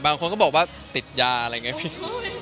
บางคนก็บอกว่าติดยาอะไรอย่างนี้พี่